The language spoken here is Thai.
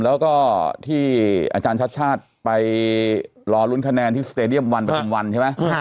แล้วก็ที่อาจารย์ชัดชาติไปรอลุ้นคะแนนที่สเตดียมวันประชุมวันใช่ไหม